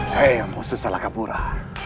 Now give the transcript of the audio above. kau yang musuh salakapura